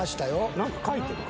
何か書いてるわ。